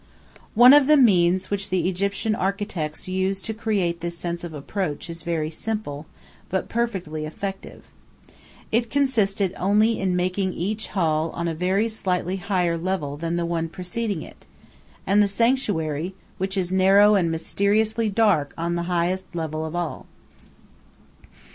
One of the means which the Egyptian architects used to create this sense of approach is very simple, but perfectly effective. It consisted only in making each hall on a very slightly higher level than the one preceding it, and the sanctuary, which is narrow and mysteriously dark on the highest level of all.